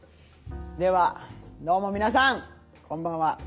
ではどうも皆さんこんばんは。